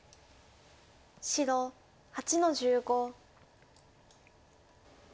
白８の十五。